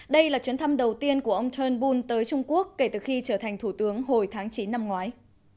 đây là chuyến thăm đầu tiên của ông tan bun tới trung quốc kể từ khi trở thành thủ tướng hồi tháng chín năm ngoái